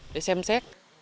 để xem xét